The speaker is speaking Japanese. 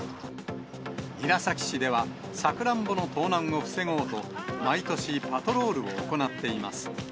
韮崎市では、サクランボの盗難を防ごうと、毎年、パトロールを行っています。